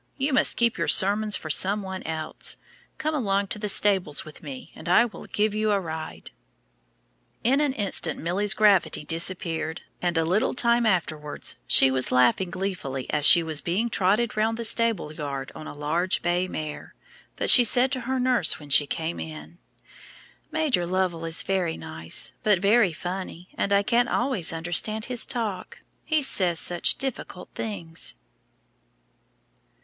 You must keep your sermons for some one else. Come along to the stables with me, and I will give you a ride." In an instant Milly's gravity disappeared, and a little time afterwards she was laughing gleefully as she was being trotted round the stable yard on a large bay mare; but she said to her nurse when she came in, "Major Lovell is very nice, but very funny, and I can't always understand his talk, he says such difficult things."